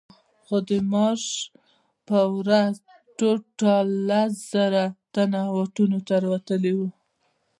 خو د مارش په ورځ ټول ټال لس زره تنه واټونو ته راوتلي وو.